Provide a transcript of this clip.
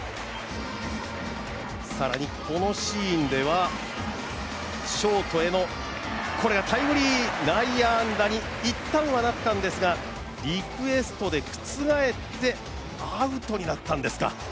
さらにこのシーンでは、ショートへのこれがタイムリー内野安打に一旦はなったんですが、リクエストで覆ってアウトになったんですか。